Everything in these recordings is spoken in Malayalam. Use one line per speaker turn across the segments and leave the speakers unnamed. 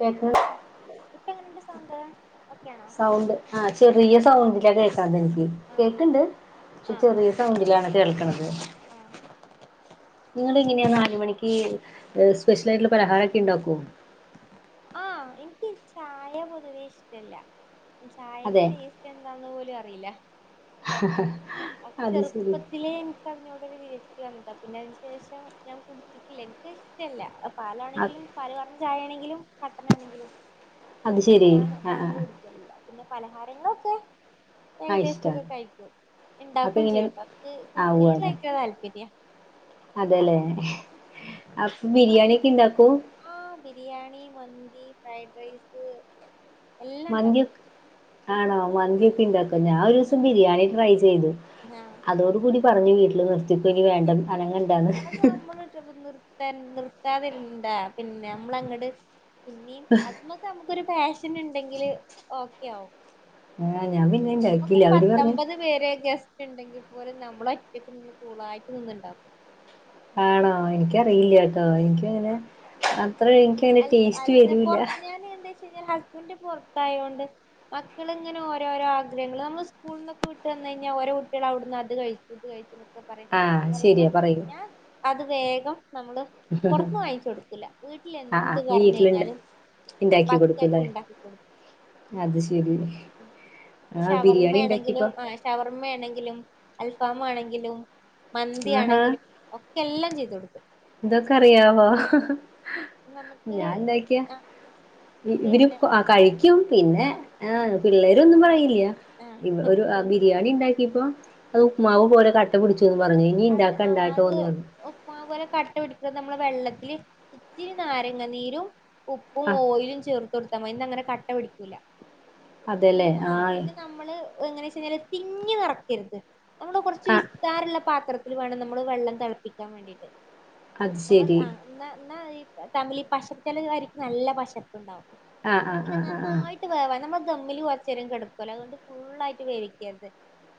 കേക്ക്
ആ ഇപ്പ എങ്ങനെണ്ട് സൗണ്ട് ഓക്കെ ആണോ
ആഹ് ചെറിയ സൗണ്ടിലാകേക്കാതെ എനിക്ക്
ആഹ്
കേക്ക്ണ്ട് പക്ഷെ
ആഹ് ആഹ്
ചെറിയ സൗണ്ടിലാണ് കേൾക്ക്ണത്
ആഹ് ആഹ്
ഇങ്ങള് എങ്ങനെ നാലു മണിക്ക് സ്പെഷ്യലായിട്ടുള്ള പലഹാരൊക്കെ ഉണ്ടാക്കോ
ആഹ് എനിക്ക് ചായ പൊതുവേ ഇഷ്ടല്ല
അതെ
ചായന്റെ ടേസ്റ്റെന്താന്ന് പോലും അറിയീല അ
അത് ശരി
ചെറുപ്പത്തിലേ എനിക്ക് അതിനോട് ഒരു വിരക്തി വ ന്നതാ പിന്നെ അതിന് ശേഷം ഞാൻ കൃടിച്ചിട്ടില്ല എനിക്ക് ഇഷ്ട ഇഷ്ടല്ല അത് പാലാണെങ്കിലും പാല് പാർന്ന ചായേണെങ്കിലും കട്ടനാണെങ്കിലും
അത് ശരി
ഞാന്
ആ ആ
അങ്ങനെ കുടിക്കലില്ല പിന്നെ പലഹാരങ്ങളൊക്കെ
ആ
ഏകദേശത്തൊക്കെ
ഇഷ്ടാണ്
കഴിക്കും
അപ്പൊ
ഇണ്ടാക്കും
ഇങ്ങനെ
ചെയ്യൂട്ടോ ഇൻക്ക് കുക്കിങ്ങിനോട്
ആവുവല്ലേ
ഭയങ്കര താല്പര്യാ
അതെല്ലേ അപ്പം ബിരിയാണി ഒക്കെ ഉണ്ടാക്കും?
ഓ ബിരിയാണി, മന്തി, ഫ്രൈഡ്റൈസ്
മന്തിം ആണോ
ഉം
മന്തിക്കെ ഉണ്ടാക്കോ? ഞാൻ ഒരു ദിവസം
ഉം
ബിരിയാണി ട്രൈ ചെയ്തു
ആഹ്
ഇതോട് കൂടി പറഞ്ഞു വീട്ടില് നിർത്തി ഇപ്പൊ ഇനി വേണ്ട അനങ്ങണ്ടാന്ന്
[unintelligible] നിർത്താതെ ഇരുന്നൂടെ പിന്നെ നമ്മൾ അങ്ങട് പിന്നിം അത് മ്മക്ക് അമ്മക്കൊരു പാഷനുണ്ടെങ്കില് ഓക്കെയാവും
ആഹ് ഞാൻ പിന്നെ ഇണ്ടാക്കിയില്ല
നമ്മക്കൊരു
അവര് പറഞ്ഞ്
പത്തൊമ്പത് പേരെ ഗസ് ണ്ടെങ്കി പോലും നമ്മളൊറ്റക്ക് നിന്ന് കൂളായിറ്റ് നിന്ന് ഉണ്ടാക്കും
ആണോ എനിക്കറിയില്ലാ ട്ടോ എനിക്ക് അങ്ങനെ അത്ര എനിക്കങ്ങനെ
അൽ
ടേസ്റ്റ്
അല്ലല
വരൂല്ല
പൊർ ഞാൻ എന്താ ച്ചാ ന്നാൽ ഹസ്ബൻഡ് പൊർത്തായോണ്ട് മക്കളിങ്ങനെ ഓരോരോ ആഗ്രഹങ്ങള്ൾ നമ്മൾ മക്കള്ങ്ങന ഓരോരോ ആഗ്രഹങ്ങള് ന്നമ്മള് സ്കൂള്ന്നൊക്കെ വിട്ടന്ന ഴ്ഞ്ഞാ ഓരോ കുട്ടിൾ അഉട്ന്ന് അത് കഴിച്ചു ഇത് കഴിച്ചു പറിയ്
ആഹ് ശരിയാ
പറിമ്പോം
പറയൂ
ഞാൻ അത് വേഗം നമ്മള് പൊറത്ത്ന്ന് വാങ്ങിച്ചൊടുക്കൂല്ല വീട്ടിൽ
ആഹ്
എന്ത്
ആഹ് വീട്ടിലുണ്ട്
പറഞ്ഞയ്ഞ്ഞാലും
ഇണ്ടാക്കി കൊടുക്കൂല്ലേ
പക്കായ്റ്റ്ണ്ടാ ക്കികൊടുക്കും
അത് ശരി
ഉം ഞി
ആഹ് ബിരിയാണി ഇണ്ടാക്കിയപ്പോ
ഷവർമാണെങ്കിലും ആഹ് ഷവർമ്മേണെങ്കിലും അൽഫാമാ ണെങ്കിലും
ആഹാ
മന്തിയാണെങ്കിലും ഒക്കെ എല്ലം ചെയ്ത് കൊടുക്കും.
ഇതൊക്കെ അറിയാവോ.
നമ്ക്
മ് ഇവുരു അ കഴിക്കും പിന്നെ
ആ
ആഹ് പിള്ളേരൊന്നും പറയില്ല്യ. ഇ അ ഒരു
ആ
ബിരിയാണിണ്ടാകീപം അത് ഉപ്പ്മാവ്പോലെ ക ട്ട പുടിച്ചുന്നു പറഞ് ഇനി ഇണ്ടാക്കണ്ടാട്ടോ പറഞ്ഞു
ഉപ്പ്മാവ് പോലെ കട്ടപിടിക്കുന്നത് നമ്മൾ വെള്ളത്തില് ഇത്തിരി നാരങ്ങാനീരും. ഉപ്പും
ആഹ്
ഓയിലും ചേർത്തുകൊടുത്തമതി ന്നങ്ങനെ കട്ടപ്പിടിക്കൂല പിന്നെ ആഹ് പിന്നെ ന മ്മള് എങ്ങനെചെഞ്ഞാൽ തിങ്ങിനെറക്കരുത് മ്മള് കൊർച്
ആഹ്
വിസ്താരള്ള പാത ത്രത്തില് വേണം നമ്മള് വെള്ളം തെള്പിക്കാൻവേണ്ടിട്ട്
അത്
നമ്മള്
ശരി
സ ആഹ് ന്ന ന്ന ഇ തമ്മില് പാഷർകലുകാരിക്ക് നല്ല പഷർപ് ണ്ടാകും
ആഹ് ആഹ്
പിന്നെ
ആഹ് ആഹ്
നന്നായി വേവാണം നമ്മൾദമ്മില് കോറ്ചേരം കെട്കൂലെ അതോണ്ട് ഫുള്ളായിട്ട് വേവിക്കരുത്‌.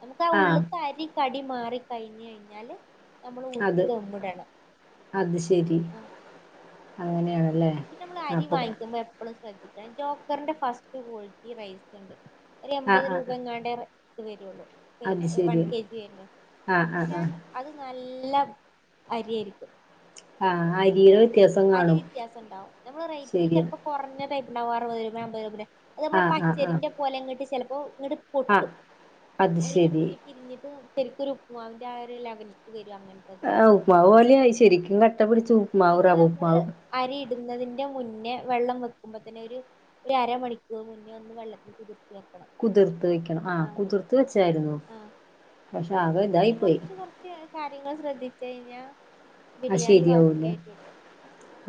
അതാ
ആഹ് ആഹ്
ഉള്ള്ത്ത അരി കടി മാറിക്കഴിഞ്ഞഴിഞ്ഞാൽ. നമ്മൾ ഊറ്റി
അത്
തമ്മ്ടണം
അങ്ങനെയാണ് ലെ.
പിന്നെമ്മള് അരിവാങ്ങിക്കുമ്പോ എപ്പളും സ്രദ്ധിക്കണം ജോക്കർന്റെ ഫസ്റ്റ് കോൾട്ടി റൈസ്ണ്ട്. ഒര്
ആഹ്
എമ്പത്
ആഹ്
രൂപയെങ്ങാണ്ടേ ഹ് ത് വരുള്ളു
അത്
പിന്നെ
ശരി
വൺകേജി വര്ന്
ആഹ് ആഹ്
പക്ഷെ.
ആഹ്
അത് നല്ലം അരിയായിരിക്കും
ആഹ് അരിയൊര്.
അരി വിത്യാസണ്ടാവും ഞമ്മളെ റൈറ്റിന്
ശരിയാ
ചെൽപൊ. കൊറഞ്ഞ ടൈപ്പ്ണ്ടാവുംഅറുപതു അബത് രൂപയുടെ അത് ഞമ്മള
ആഹ് ആഹ് ആഹ്
പച്ചരിന്റെ പോലങ്ങട്ട് ചെലപ്പോങ്ങട്ട്
ആഹ്
പൊട്ടും
അത്
അരിങ്ങട്ട്
ശരി
കുതി രിഞ്ഞിട്ട് ഹ് ശരിക്കൊരു ഉപ്പുമാവിന്റെ ആ ഒര് ലെവൽക് വരും അങ്ങന് ത്തെ
ആഹ് ഉപ്പുമാവ്പോലെയായി ശരിക്കും കട്ട പിടിച്ച ഉപ്പ്മാവ്
പിന്നെ
റവ
നമ്മള്
ഉപ്പ്മാവ്
അരിയിടുന്നതിന്റെ മുന്നേ വെള്ളം വെക്കുമ്പതന്നെഒര് ഒര് അരമണിക്കൂർ മുന്നേ ഒന്ന് വെള്ളത്തിൽ കുതിർത്തി വെക്കണം
കുതിർത്ത് വെക്കണം ആഹ് കുതിർത്ത് വെച്ചായിരുന്നു പക്ഷെ അത്
ഇതിന് കൊർച് കൊർച് കാര്യങ്ങള് സ്രദ്ധിചെയ്ഞ്ഞാൽ
അത്
ബിരിയാണി
ശരിയാവൂല
ബക്കയായിക്കിട്ടു.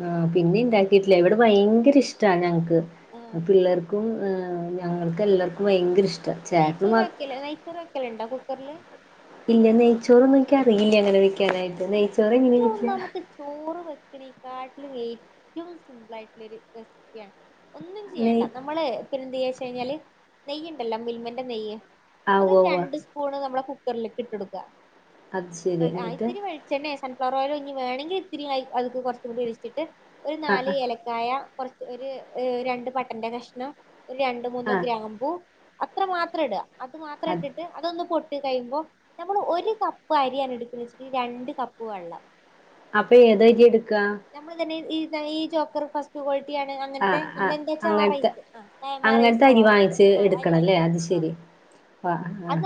ആഹ് പിന്നിണ്ടാകീട്ടില്ല ഇവിടെ ഭയങ്കര ഇഷ്ടാണ് ഞങ്ങൾക്ക് ഹ്
ആഹ്
പിള്ളേർക്കും ആഹ് ഞങ്ങൾക്കെല്ലാർക്കും ഭയങ്കരിഷ്
നെയ്‌ച്ചോർവെക്കല്ലേ നെയ്‌ച്ചോർ വെക്കലുണ്ടോ കുക്കറ്ല്
ഇല്ല്യ നൈചോറൊന്നുംനിക്ക് അറിയില്യ ങ്ങനെ വൈക്യാനായിട്ട് നൈചോറെങ്ങനെ
ഏറ്റവും
വെക്യാ.
നമുക്ക് ചോറ് വെക്ക്‌നീകാട്ടില് ഏറ്റവും സിമ്പിളായിട്ടുള്ള ഒര് റെസിപ്പിയാണ്. ഒന്നുംചെയ്യണ്ട
നെയ്
നമ്മള് പിന്നെന്തായ്യചെയ്ഞ്ഞാൽ നയ്യുണ്ടല്ലോ മിൽമന്റെ നെയ്യ്.
ആ ഉവ്വ
അതൊര്
ഉവ്വ
രണ്ട്സ്പൂൺ നമ്മളെ കുക്കറിലിട്ടിട്ടൊടുക്ക.
അത് ശരി ന്നിട്ട്.
വെള്ച്ചെണ്ണേ സൺഫ്ലവറോയിലോ ഞ് വേണങ്കി ഇത്തിരി അയ് അതിക് കൊറച്ചുംകൂടി ഒര്
ആഹ്
നാല്
ആഹ്
എല കായ കൊറച് ഒര് രണ്ട് പട്ടന്റെകഷ്ണം ഒര് രണ്ട്മൂന്ന്
ആഹ്
ഗ്രാമ്പൂ അത്രമാത്രം ഇട അത് മാത്രം ഇട്ടിട്ട് അതൊന്ന് പൊട്ടി കഴിയുമ്പോ നമ്മള് ഒര് കപ്പ് അരിയാണ് എടുക്കണേ ഇ രണ്ട് കപ്പ് വള്ളം.
അപ്പെ ഏതാ അരി എടുക്ക
നമ്മള് തന്നെ ഇ ഇ ഈ ജോക്കറ് ഫസ്.. ക് കോൾട്ടിയാണ് അങ്ങനത്തെ
ആഹ് ആഹ്
പിന്നെന്താച്ചാ ആ
അങ്ങനത്തെ
റൈസ് അ കൈമാറയ്സ് അവിട്ത്തെ അരിവാങ്ങിക്കണം.
തരി ആഹ് ആഹ്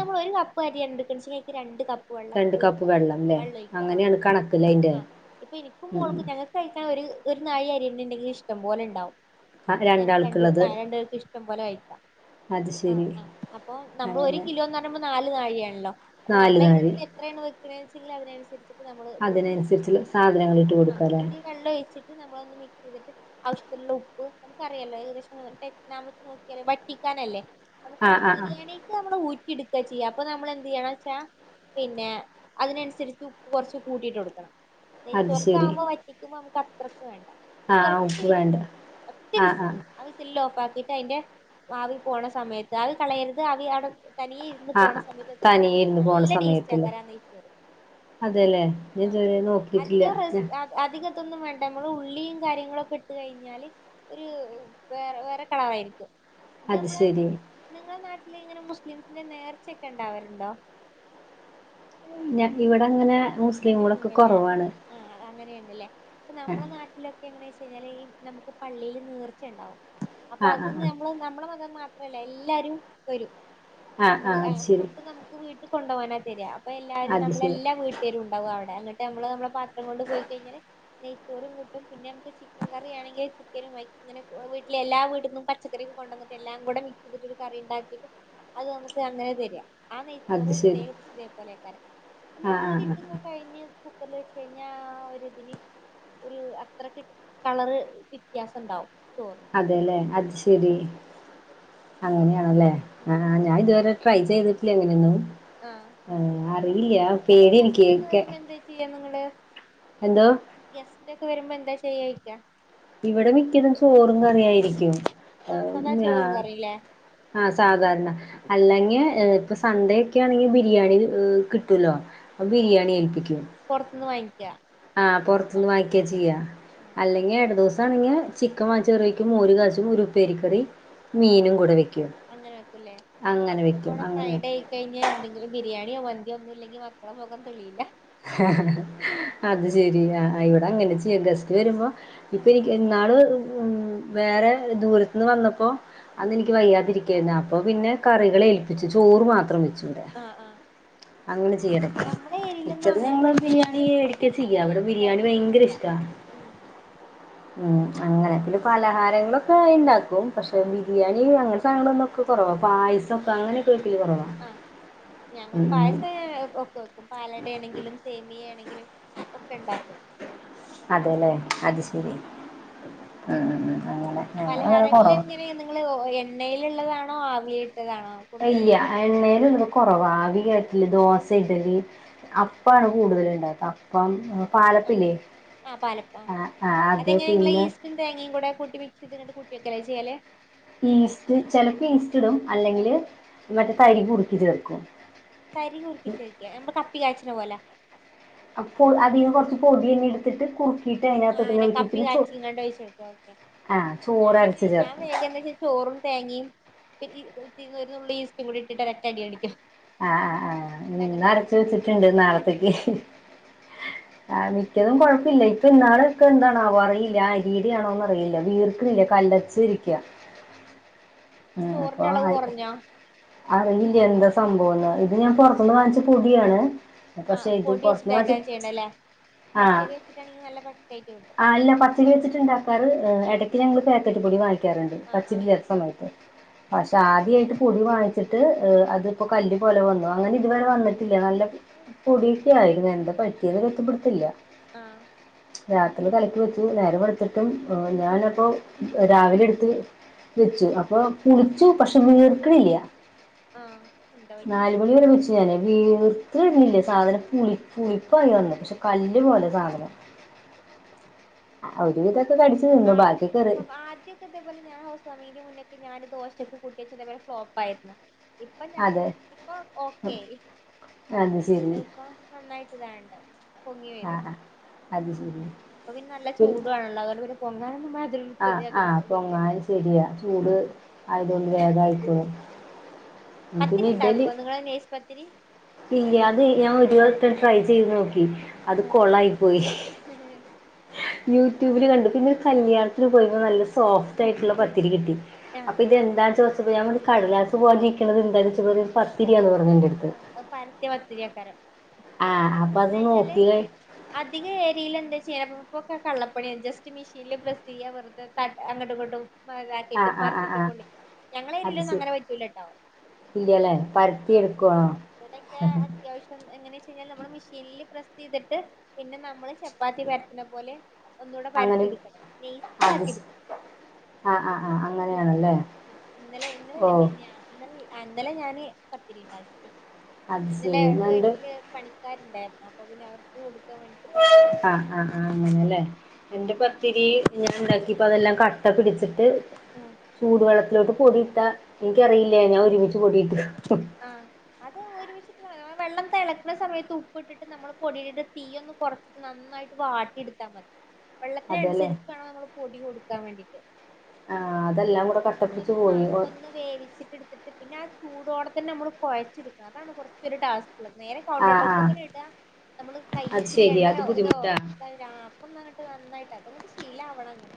പം അരി ന്തക്ണ്ച് അയിക് രണ്ട് കപ്പ് വെള്ളം
രണ്ട്
ഒഴിക്ക.
കപ്പ് ല്ലേ
വെള്ളം ഒഴിക്ക അ
അങ്ങനെയാണ് കണക്കല്ലേ അയിന്റെ
ആ അ ഇപ്പം ഇന്ക്കും
ഉം ഉം
മോൾക്കും നല്.. കഴിക്കാൻ ഒര് ഒര്നാഴി അരീടുണ്ടങ്കി ഇഷ്ടംപോലെ ണ്ടാകും.
ആഹ്
ഞങ്ങക്ക് രണ്ട്പേ
രണ്ടാൾക്കുള്ളത്
ആ രണ്ട് പേര്ക് ഇഷ്ടംപോലെ കഴിക്കാ.
അത്
ആഹ്
ശരി
ആഹ് അപ്പൊ നമ്മള് ഒര്
അങ്ങനെ
കിലോന്ന് പറഞ്ഞ നാല് നാഴിയാണല്ലോ അപ്പൊ
നാല്
നമ്മള്
നാഴി
എങ്ങനെ അത്രയാണ് വെക്കച്ചെങ്കിലിൽ അതിനനുസരിച്ചിട്ട് നമ്മൾ ഇട്ട് കൊടുക്കാം
അതിനനുസരിച്ചുള്ള സാധനങ്ങൾ ഇട്ട്
ആഹ്
കൊടുക്കാലേ
എന്നിട്ട് ഈ വെള്ളം ഒഴിച്ചിട്ട് നമ്മളൊന്ന് മിക്സ് ചെയ്തിട്ട് ആവശ്യത്തിനുള്ള ഉപ്പ് നമുക്കറിയല്ലോ ഏകദേശം വെച്ച് നോക്കിയാല വറ്റിക്കാനല്ലേ നമുക്ക്
ആഹ് ആഹ് ആഹ്
ബിരിയാണിക്ക് നമ്മള് ഊറ്റിടുക്ക ചെയ്യാ അപ്പൊ നമ്മൾ എന്ത് ചെയ്യണ വെച്ചാ പിന്നെ അതിനനുസരിച്ച് ഉപ്പ്‌ കുറച്ച് കൂട്ടിട്ട് കൊടുക്കണം
അത് ശരി
നെയ്ച്ചോർക്കാമ്പോ വറ്റിക്കുമ്പോ നമുക്ക് അത്രയ്ക്ക് വേണ്ട എന്നിട്ട്
ആഹ് ആഹ്
ഒറ്റ
ഉപ്പ്
വിസിൽ
വേണ്ട
ഒറ്റ
ആഹ്
വിസിൽ
ആഹ്
ആ സില്ല് ഓഫ് ആക്കിയിട്ട് അതിന്റെ ആവി പോണ സമയത്ത് ആവി കളയരുത് അവി ആവി തനിയ ഇരുന്ന് പോണ
ആഹ്
സമയത്ത് കഞ്ഞാൽ
തനിയെ ഇരുന്ന് പോണ
നല്ല ടേസ്റ്റ്
സമയത്തല്ലേ
ആക്കാൻ ന
അതെല്ലേ ഞൻ ഇതുവരെ നോക്കിട്ടില്ല ഞ
അധികത്തൊന്നും വേണ്ട നമ്മള് ഉള്ളിയും കാര്യങ്ങളും ഒക്കെ ഇട്ട് കഴിഞ്ഞാല് ഒരു വേറെ വേറെ കളറായിരിക്കും ഇത്
അത്
നമ്മളെ
ശരി
നിങ്ങളെ നാട്ടില് ഇങ്ങനെ മുസ്ലിംസിന്റെ നേർച്ചയൊക്കെ ഉണ്ടാവരുണ്ടോ
ഞൻ ഇവിടെ അങ്ങനെ മുസ്ലിങ്ങളൊക്കെ
അങ്ങനെയില്ലല്ലേ
കുറവാണ്
ആഹ് അ അങ്ങനെയുണ്ടല്ലേ ഇപ്പൊ
ആഹ്
നമ്മുടെ നാട്ടിലൊക്കെ എങ്ങനാ വെച്ച് കഴിഞ്ഞാല് ഈ നമുക്ക് പള്ളിയില് നേർച്ചയണ്ടാവും അപ്പൊ
ആഹ്
അതിന്
ആഹ്
നമ്മള് നമ്മള മതം മാത്രല്ല എല്ലാരും വരും
ആഹ്
നമ്മള്
ആഹ്
ആ
അത് ശരി
ഫുഡ് നമുക്ക് വീട്ടിൽ കൊണ്ടുപോകാനാ തരി അപ്പൊ എല്ലാരും
അത് ശരി
നമ്മളെല്ലാം വീട്ട ണ്ടാവും അവിടെ അങ്ങട്ട് നമ്മ നമ്മള പാത്രം കൊണ്ട് പോയി കഴിഞ്ഞാൽ നെയ്ത്തോറും കിട്ടും പിന്നെ നമ കറിയാണെങ്കിൽ ചിക്കനും ഇങ്ങനെ വീട്ടില് എല്ലാ വീട്ടിന്നും പച്ചക്കറി കൊണ്ട് വന്നിട്ട് എല്ലാം കൂടെ മിക്സിതിട്ട് കറി ഉണ്ടാക്കിയിട്ട് അത് നമുക്ക് അങ്ങനെ തരാ ആ
അത്
നെയ്ച്ചോറ്
ശരി
ഏകദേശതു പോലെക്കരാം നമ്മൾ
ആഹ്
ഉള്ളി
ആഹ് ആഹ്
കഴിഞ്ഞ് കുക്കറില് വെച്ച് കഴിഞ്ഞാ ഒരി ഇതിന് ഒരു അത്ര കളറ് വ്യത്യാസം ഉണ്ടാവും ചോറിന്
അതെല്ലേ അത് ശരി അങ്ങനെയാണല്ലേ ആ ഞാൻ ഇതുവരെ ട്രൈ ചെയ്തിട്ടില്ല അങ്ങനെയൊന്നും
ആ
അറിയില്ല പേടി എനിക്ക്ക്കെ
ചെയ്യ നിങ്ങള്
എന്തോ
ഗെസ്റ്റ് ഒക്കെ വരുമ്പോ എന്താ ചെയ്യാ ചോയ്ക്കാ
ഇവിടെ മിക്കതും ചോറും കറിയായിരിക്കും ആഹ്
സദാ
ഞ
ചോറും കറില്ലേ
സാധാരണ അല്ലെങ്കിൽ ഇപ്പൊ സൺഡേ ഒക്കെ ആണെങ്കിൽ ബിരിയാണി കിട്ടൂല്ലോ അപ്പൊ ബിരിയാണി ഏൽപ്പിക്കും
പുറത്തുന്ന് വാങ്ങിക്ക
ആ പൊർത്ത്ന്ന്
ആഹ്
വാങ്ങിക്ക ചെയ്യ
ആഹ്
അല്ല [unintelligible] ദിവസാണങ്കി ചിക്കൻ വാങ്ങിച്ച് കറി വെക്കും മോര് കാച്ചും ഒരു ഉപ്പേരിക്കറി
ആഹ്
മീനും കൂടെ വെക്കും
അങ്ങനെ
അങ്ങനെ വെക്കും അങ്ങനെയ
കഴിഞ്ഞ എന്തെങ്കിലും ബിരിയാണിയോ മന്തിയോ ഒന്നുല്ലെങ്കിൽ മക്കളെ മുഖം തെളിയില്ല.
അത് ശരിയ ആ ഇവടെ അങ്ങനെ ചെ ഗസ്റ്റ് വരുമ്പോ ഇപ്പ എനി ഇന്നാള് ഉം വേറെ ദൂരത്ത്ന്ന് വന്നപ്പോ അന്നെനിക്ക് വയ്യാതിരിക്കായിരുന്നു അപ്പൊ പിന്നെ കറികൾ ഏൽപ്പിച്ച് ചോറ് മാത്രം വെച്ചു ഇവടെ.
ആഹ് ആഹ് നമ്മളെ ഏഴിലൊന്നും
മിക്കതും
അങ്ങനെ
ഞങ്ങള് ബിരിയാണി മേടിക്ക
[inaudible]
ചെയ്യാ
അങ്ങനെ
ഇവിടെ ബിരിയാണി
ഏൽപ്പിക്കാനൊന്നും
ഭയങ്കര
കിട്ടില്ല.
ഇഷ്ടാ
ഉം
ഉം അങ്ങനെ പിന്നെ പലഹാരങ്ങളൊക്കെ ഇണ്ടാക്കും പക്ഷെ
ആഹ്
ബി ബിരിയാണി അങ്ങനെ സാധനങ്ങളൊക്കെ കൊറവ പായസൊക്കെ അങ്ങനെയൊക്കെ വെക്കൽ കൊറവ.
ആഹ് ഞങ്ങള് പായസേ ഒക്കെ വെക്കും പാലടയാണെങ്കിലും സേമിയ ആണെങ്കിലും ഒക്കെ ഇണ്ടാക്കും.
അതെല്ലേ അത് ശരി ഉം ഉം ഉം അങ്ങനെ ഞങ്ങളങ്ങനെ കൊറവ.
ങ്ങൾ എണ്ണയിൽ ഇള്ളതാണോ ആവിയിൽ ഇട്ടതാണോ?
അഹ്ല്ല ആ എണ്ണയിൽ ഇള്ളേ കൊറവാ ആവി
ആഹ്
കേറ്റല് ദോശ, ഇഡലി,
ആഹ്
അപ്പാണ് കൂടുതല് ഇണ്ടാക്ക അ അപ്പം
ആഹ്
പാലപ്പില്ലേ
ആഹ്
ആ ആത് പിന്നെ
ഉപ്പും തേങ്ങയും കൂടെ കൂട്ടി മിക്സിട്ട് രണ്ട് കൂട്ടിവെക്കെല ചെയ്യാലേ?
ഈസ്റ്റ് ചെലപ്പോ ഈസ്റ്റ് ഇടും അല്ലെങ്കിൽ
ആഹ്
മറ്റേ തരി കുറുക്കി ചേർക്കും.
തരി കുറുക്കിചേർക്ക എമ്പ കപ്പി കായ്ച്ച്ന പോലെ.
അപ്പോൾ ആദ്യം കൊർച്ച് പൊടി അങ്ങെട്ത്തിട്ട് കുറു
ആ അങ്ങനെ കപ്പി കാച്ചീങ്കാണ്ട് ഒഴിച്ച് കൊടുക്ക ഓക്കെ
ആ ചോറ് അരച്ച്
ഞാനങ്ങനെ ഞാൻ
ചേർക്കും
വേഗന്ന് ചോറും തേങ്ങിം പി ഈ പി ഒരു നുള്ള് ഈസ്റ്റും കൂടി ഇട്ടിട്ടൊരൊറ്റ അടി അടിക്കും.
ആ ആ ആ
എന്നിട്ട്
ഇന്ന്
അങ്ങനെ
അരച്ചു വെച്ചിട്ടുണ്ട്
ആഹ് അരച്ച്
നാളത്തേക്ക്
ആഹ്
ആ മിക്കതും കൊഴപ്പല്ല ഇപ്പൊ ഇന്നാളൊക്കെ എന്താണാവോ അറിയില്ല ആ അരീടെ ആണോന്ന് അറിയില്ല വീർക്കിണില്ല കല്ല ച്ചിരിക്ക
ചോറിന്റ അളവ്
അപ്പൊ
കൊറഞ്ഞാ?
അറിയില്ല എന്താ സംഭവംന്ന് ഇത് ഞാൻ
ആഹ്
പൊർത്തൂന്ന് വാങ്ങിച്ച് പൊടിയാണ്.
ആഹ്
പക്ഷെ ഇത്
പൊടി
പൊർത്ത്ന്ന്
വെച്ചിട്ടേക്കാരം ചെയ്യണ്ടല്ലേ
[unintelligible] ആ
പച്ചരി വെച്ചിട്ടാണെങ്കി നല്ല പക്കായിട്ട് കിട്ടും
ആ ഇല്ല പച്ചരി വെച്ചിട്ട്ണ്ടാക്കാറ് ഏ
ആഹ്
എടക്ക് ഞങ്ങള് പാക്കറ്റ് പൊടി വാങ്ങി ക്കാറുണ്ട്
ആഹ് ആഹ്
പച്ചരി ചെല സമയത്ത് പക്ഷെ ആദ്യായിട്ട് പൊടി വാങ്ങിച്ചിട്ട് ഹ് അത്പ്പോ കല്ല് പോലെ വന്നു അങ്ങനെ ഇതുവരെ വന്നിട്ടില്ല നല്ല പോടീടെ ആയിരുന്നോ എന്താ പറ്റിയതെന്ന് പുട്ത്തല്ല.
ആഹ്
രാത്രില് കലക്കി വെച്ച് നേരം വെളുത്തിട്ടും ആ ഞാനപ്പോ രാവിലെ എട്ത്ത് വെച്ചു അപ്പൊ പുളിച്ചു പക്ഷെ വീർക്ക്ണില്ല
ആഹ് എന്താ
നാലു
പറ്റാ
മണി വരെ വെച്ച് ക്കിയാണ് വീർക്ക്ണില്ല സാധനം പുളി പുളിപ്പായി വന്നു പക്ഷെ കല്ല്
ആഹ്
പോലെ സാധനം അ ഒരു വിധോക്കെ കടിച്ച് തിന്നു ബാക്കി കറി
ഇൻക്ക്തേ പോലെ ഞാൻ ഹൗസ് വാമിംഗ്ൻ്റെ മുന്നെക്കെ ഞാൻ ദോശക്ക് കൂട്ടിച്ചേ ഇതേപോലെ ഫ്ലോപ്പായിരുന്നു. ഇപ്പം ഞങ്ങ
അതെ
ഇപ്പൊ ഓക്കെ ആയി
അത് ശരി
അഹ് ഇപ്പൊ നന്നായിട്ട് ഇതാവ്ണ്ട്. പൊങ്ങി വരും
ആഹ് അത് ശരി
ഇപ്പൊ പിന്നെ നല്ല ചൂടു ആണല്ലോ അതോണ്ട് പിന്നെ പൊങ്ങാനൊന്നും വ [unintelligible]
ആഹ്
യാതൊരു
ആഹ്
ഇപ്പോ ഇതില്ല.
പൊങ്ങാൻ ശരിയാ ചൂട് ആയത്കൊണ്ട് വേഗായിക്കോളും.
പത്തിരി ഉണ്ടാക്കുവോ നിങ്ങള് നേസ് പത്തിരി?
ഇല്ല അത് ഞാൻ ഒരു പ്രാവശ്യം ട്രൈ ചെയ്ത് നോക്കി. അത്
ആഹ്
കൊളായി പോയി. യൂട്യൂബില് കണ്ടു പിന്നെ ഒരു കല്യാണത്തിന് പോയ്പ നല്ല സോഫ്റ്റ് ആയിട്ടുള്ള പത്തിരി കിട്ടി.
ആഹ്
അപ്പൊ ഇതെന്താന്ന് ചോദിച്ചപ്പോ ഞാമ്പറഞ്ഞു കടലാസ് പോലെ ഇരിക്കുന്നത് എന്താന്ന് ചോയ്ച്ചപ്പോ പത്തിരിയാന്ന് പറഞ്ഞു എന്റടുത്ത്.
ആഹ് പരത്തിയ പത്തിരിയാക്കാരം.
ആഹ് അപ്പത് നോക്കീലേ
അധികം ഏരിയൽ എന്താ ചെയ്യ ഇപ്പൊക്കെ കള്ളപ്പണിയ ജസ്റ്റ് മിഷീനിൽ പ്രെസ് ചെയ്യ വെറുത ഒക്കെ അങ്ങട്ടു ഇങ്ങട്ടും. താക്കിയിട്ട്
ആഹ് ആഹ് ആഹ്
മറിച്ചിട്ട്
ആഹ്
പൊള്ളിക്കും ഞങ്ങള എരിയലൊന്നും അങ്ങനെ പറ്റൂലട്ടോ.
ഇല്ല്യല്ലേ പരത്തി എടുക്കുവാണോ
ഇവിടെക്കെ അത്യാവശ്യം എങ്ങനെയാച്ചു കഴിഞ്ഞാല്, നമ്മള് മെഷീനിൽ പ്രെസ് ചെയ്തിട്ട് പിന്നെ നമ്മള് ച പ്പാത്തി പരത്തുന്ന പോലെ ഒന്നൂടെ
അങ്ങനെ
പരത്തിയെടുക്കണം
അത്
നെയ്സാക്കി
ശ
എടുക്കണം.
ആഹ് ആഹ് ആഹ്
എന്നിട്ട്
അങ്ങനെയാണല്ലേ
ചെയ്യണം ഇന്നലെ
ഓ
ഇന്നലല്ല മിനിഞ്ഞാന്ന്. ഇന്നല് ഇന്നലെ ഞാന് പത്തിരി ഉണ്ടാക്കി
അത്
ഇന്നലെ
ശരി ഞാനെന്റെ
വീട്ടില് പണിക്കാരുണ്ടായിരുന്നു അപ്പൊ പിന്നെ അവർക്ക് കൊടുക്കാൻ വേണ്ടിട്ട് പത്തിരി
ആഹ് ആഹ് ആഹ് അങ്ങനെയല്ലേ എന്റെ പത്തിരി ഞാനുണ്ടാക്കിപ്പ അതെല്ലാം ക ട്ട പിടിച്ചിട്ട്
ആഹ്
ചൂട് വെള്ളത്തിലോട്ട് പൊടിയിട്ട എനിക്കറിയില്ലേനു ഞാൻ ഒരുമിച്ച് പൊടിയിട്ട്
ആഹ് അത് ഒരുമിച്ച് വെള്ളം തെളക്കുന്ന സമയത്ത് ഉപ്പ് ഇട്ടിട്ട് നമ്മള് പൊടിഇട്ട് തീ ഒന്ന് കൊറച്ച് നന്നായിട്ട് വാട്ടിയെടുത്താ മതി.
അതെല്ലേ
വെള്ളത്തിനനുസരിച് വേണം നമ്മൾ പൊടി കൊടുക്കാൻ വേണ്ടിയിട്ട്
ആഹ് അതെല്ലാം കൂടെ കട്ടപിടിച്ച്
[unintelligible]
പോയി
ആഹ്,
ഓ
അതൊന്നു വേവിച്ചിട്ടെടുത്തിട്ട് പിന്നെ ആ ചൂടോടെ തന്നെ നമ്മളു കൊഴച്ചെടുക്കണം അതാണ് കുറച്ചൊരു ടാസ്കുള്ളത് നേരെ കൗണ്ടർ
ആഹ് ആഹ്
ടോപ്പ്ക്കണിടാ നമ്മള്
അത്
കയ്യിലിത്തിരി
ശെരിയാ അത്
എണ്ണയോ ഇതോ
ബുദ്ധിമുട്ടാ
ടാപ്പന്നങ്ങട്ട് നന്നായിട്ട് അതങ്ങട്ട് ശീലാവണം അങ്ങനെ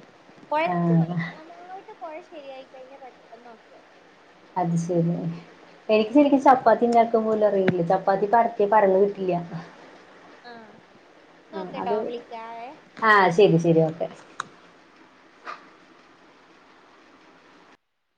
കുഴച്ചു
ആഹ്
നന്നായിട്ട് കുഴ ശരിയായിക്കഴിഞ്ഞാൽ പെട്ടെന്ന് ഓക്കെയാവും
അത് ശരിയാ എനിക്കു ശരിക്കും ചപ്പാത്തിയുണ്ടാക്കാൻ പോലും അറിയില്ല. ചപ്പാത്തി പരത്തിയാ പരന്നു കിട്ടില്ല
ആഹ്‌ ന്നാ
ആഹ്
ഒക്കെ ട്ടോ
അത്
വിളിക്കാവേ
ആഹ് ശരി ശരി ഓക്കെ